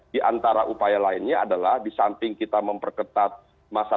di antara upaya lainnya adalah di samping kita memperketat masyarakat